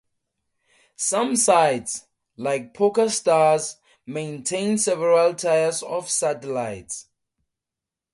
Some sites, like PokerStars, maintain several tiers of satellites.